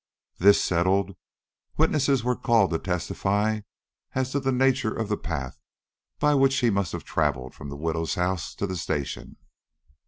This settled, witnesses were called to testify as to the nature of the path by which he must have travelled from the widow's house to the station.